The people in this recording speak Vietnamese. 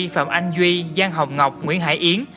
phạm anh duy giang hồng ngọc nguyễn hải yến